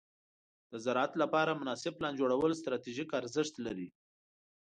د زراعت لپاره مناسب پلان جوړول ستراتیژیک ارزښت لري.